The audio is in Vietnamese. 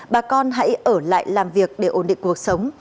bà con hãy ở lại làm việc để ổn định cuộc sống